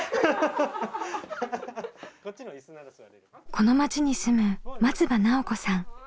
この町に住む松場奈緒子さん。